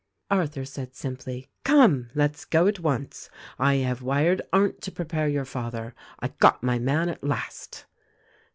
Arthur said simply, "Come! Let's go at once. I have wired Arndt to prepare your father. I got my man at last."